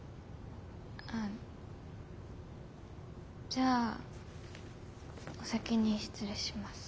あじゃあお先に失礼します。